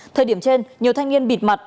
thời điểm trên nhiều thanh niên bịt mặt